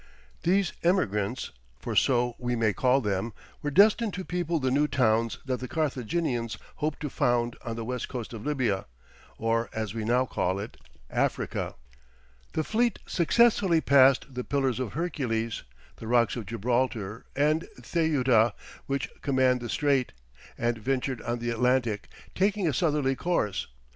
These emigrants, for so we may call them, were destined to people the new towns that the Carthaginians hoped to found on the west coast of Libya, or as we now call it, Africa. The fleet successfully passed the Pillars of Hercules, the rocks of Gibraltar and Ceuta which command the Strait, and ventured on the Atlantic, taking a southerly course.